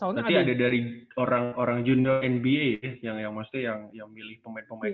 soalnya ada dari orang orang jurnal nba yang maksudnya yang milih pemain pemain ini